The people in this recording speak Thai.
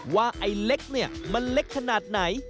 ว่าไอ้เล็กมันเล็กขนาดไหน